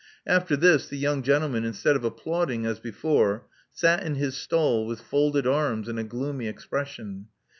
After this, the young gentle man, instead of applauding, as before, sat in his stall with folded arms and a gloomy expression.